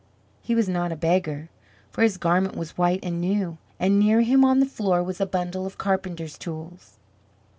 He was not a beggar, for his garment was white and new, and near him on the floor was a bundle of carpenter's tools.